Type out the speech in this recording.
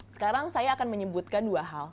sekarang saya akan menyebutkan dua hal